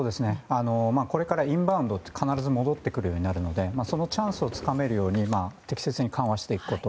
これからインバウンドで必ず戻ってくることになるのでそのチャンスをつかめるように適切に緩和していくこと。